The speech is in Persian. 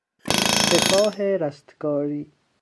سپاه رستگاری